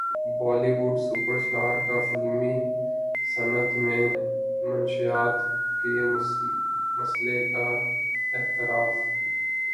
بولی would superstar کا فلمی صنعت میں منشیات کے مسئلے کا اعتراف